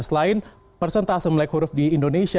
selain persentase melek huruf di indonesia